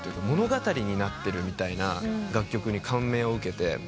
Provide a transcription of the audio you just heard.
物語になってるみたいな楽曲に感銘を受けて。